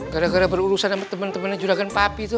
gara gara berurusan sama temen temennya juragan papi tuh